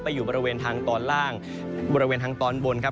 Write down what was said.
อยู่บริเวณทางตอนล่างบริเวณทางตอนบนครับ